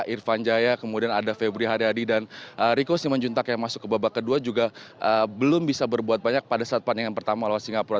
irfan jaya kemudian ada febri haryadi dan riko simanjuntak yang masuk ke babak kedua juga belum bisa berbuat banyak pada saat pertandingan pertama lawan singapura